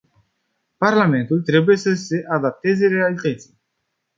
Parlamentul trebuie să se adapteze realității.